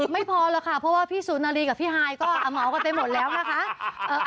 ไม่พอหรอกค่ะเพราะว่าพี่สุนารีกับพี่ฮายก็เหมากันไปหมดแล้วนะคะ